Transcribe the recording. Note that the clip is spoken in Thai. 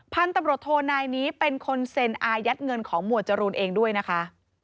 พันธุ์ตำรวจโทนายนี้เป็นคนเซ็นอายัดเงินของหมวดจรูนเองด้วยนะคะ